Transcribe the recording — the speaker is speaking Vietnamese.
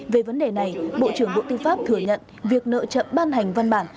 về vấn đề này bộ trưởng bộ tư pháp thừa nhận việc nợ chậm ban hành văn bản